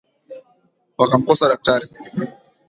Wakamkosa daktari